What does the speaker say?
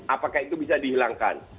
apakah itu bisa dihilangkan